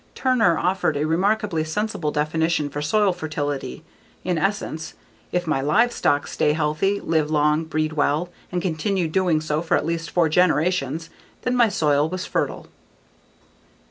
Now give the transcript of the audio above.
Turner offered a remarkably sensible definition for soil fertility, in essence, "if my livestock stay healthy, live long, breed well, and continue doing so for at least four generations, then my soil was fertile."